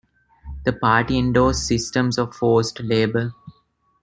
The party endorsed systems of forced labour.